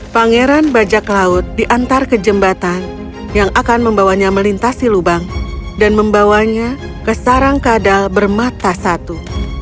pangeran bajak laut diantar ke jembatan yang akan membawanya melintasi lubang dan membawanya ke sarang kadal bermata satu